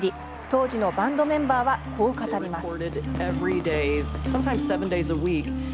当時のバンドメンバーはこう語ります。